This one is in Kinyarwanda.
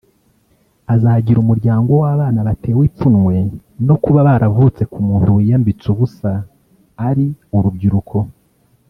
azagira umuryango w’ abana batewe ipfunwe no kuba baravutse ku muntu wiyambitse ubusa ari urubyiruko